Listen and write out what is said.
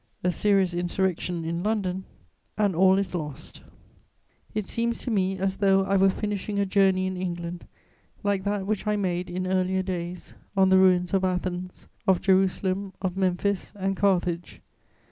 A serious insurrection in London, and all is lost." It seems to me as though I were finishing a journey in England like that which I made, in earlier days, on the ruins of Athens, of Jerusalem, of Memphis and Carthage.